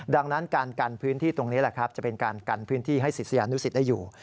ดังนั้นการกันพื้นที่ตรงนี้แหละครับจะเป็นการกันพื้นที่ให้ศิษยานุสิตได้อยู่